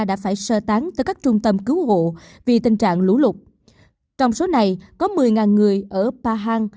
đã phải sơ tán tới các trung tâm cứu hộ vì tình trạng lũ lụt trong số này có một mươi người ở pahang